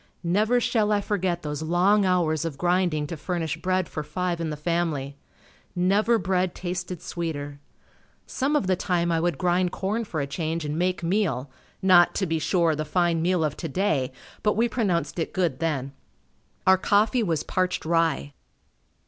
Never shall I forget those long hours of grinding to furnish bread for five in the family. Never bread tasted sweeter. Some of the time I would grind corn for a change and make meal, not, to be sure, the fine meal of today, but we pronounced it good then. Our coffee was parched rye.